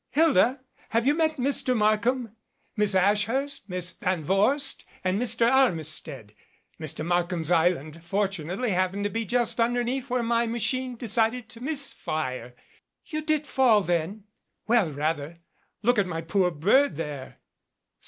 Hilda, have you met Mr. Markham? Miss Ashurst, Miss Van Vorst, and Mr. Armistead, Mr. Mark ham's island fortunately happened to be just underneath where my machine decided to miss fire " "You did fall then?" "Well rather look at my poor bird, there."